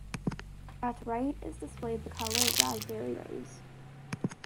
At right is displayed the color raspberry rose.